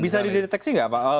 bisa dideteksi nggak pak